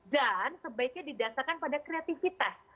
dan sebaiknya didasarkan pada kreatifitas